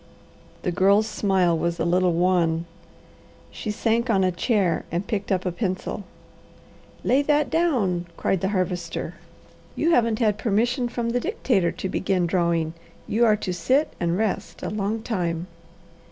The Girl's smile was a little wan. She sank on a chair and picked up a pencil. "Lay that down!" cried the Harvester. "You haven't had permission from the Dictator to begin drawing. You are to sit and rest a long time."